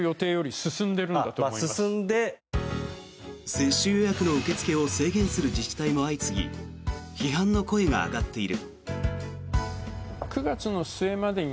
接種予約の受け付けを制限する自治体も相次ぎ批判の声が上がっている。